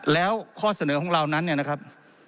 แล้วข้อเสนอของเรานั้นเนี่ยนะครับ